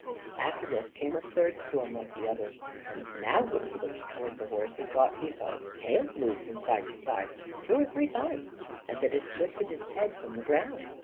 After this came a third storm like the others; and now when he looked toward the horse he thought he saw its tail move from side to side two or three times, and that it lifted its head from the ground.